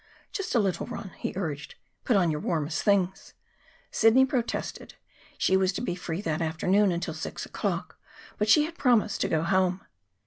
"Just a little run," he urged. "Put on your warmest things." Sidney protested. She was to be free that afternoon until six o'clock; but she had promised to go home.